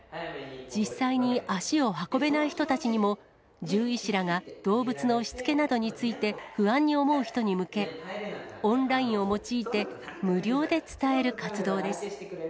実際に足を運べない人たちにも、獣医師らが動物のしつけなどについて、不安に思う人に向け、オンラインを用いて、無料で伝える活動です。